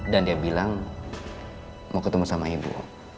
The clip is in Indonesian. dan dia bilang mau ketemu sama ibu